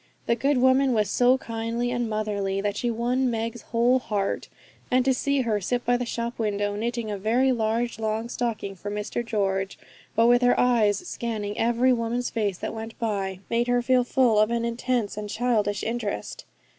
The good woman was so kindly and motherly that she won Meg's whole heart; and to see her sit by the shop window, knitting a very large long stocking for Mr George, but with her eyes scanning every woman's face that went by, made her feel full of an intense and childish interest.